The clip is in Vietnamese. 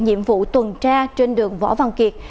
nhiệm vụ tuần tra trên đường võ văn kiệt